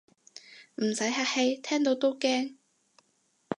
唔使客氣，聽到都驚